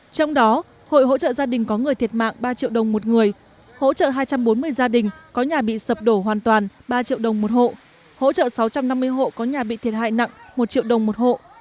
trong đó hội hỗ trợ gia đình có người thiệt mạng ba triệu đồng một người hỗ trợ hai trăm bốn mươi gia đình có nhà bị sập đổ hoàn toàn ba triệu đồng một hộ hỗ trợ sáu trăm năm mươi hộ có nhà bị thiệt hại nặng một triệu đồng một hộ